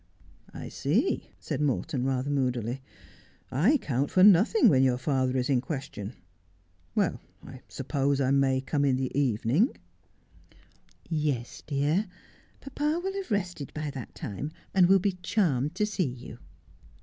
' I see,' said Morton, rather moodily. ' I count for nothing when your father is in question. Well, I suppose I may come in the evening 1 '' Yes, dear. Papa will have rested by that time, and will be charmed to see you.'